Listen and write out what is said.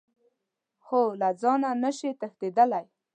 خو له ځانه نه شئ تښتېدلی .